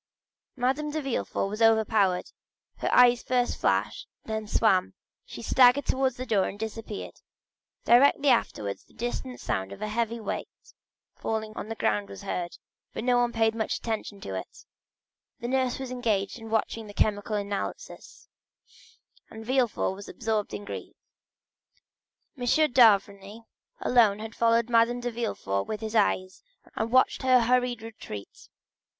Madame de Villefort was overpowered; her eyes first flashed and then swam, she staggered towards the door and disappeared. Directly afterwards the distant sound of a heavy weight falling on the ground was heard, but no one paid any attention to it; the nurse was engaged in watching the chemical analysis, and Villefort was still absorbed in grief. M. d'Avrigny alone had followed Madame de Villefort with his eyes, and watched her hurried retreat.